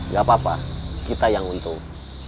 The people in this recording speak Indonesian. gak apa apa kita yang untung